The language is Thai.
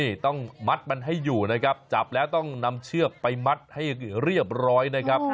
นี่ต้องมัดมันให้อยู่นะครับจับแล้วต้องนำเชือกไปมัดให้เรียบร้อยนะครับ